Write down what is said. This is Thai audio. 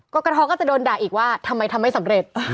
กรกฐก็จะโดนด่าอีกว่าทำไมทำไม่สำเร็จ